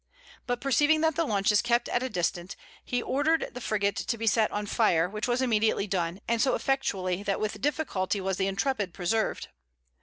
But perceiving that the launches kept at a distance, he ordered the frigate to be set on fire, which was immediately done, and so effectually, that with difficulty was the Intrepid preserved.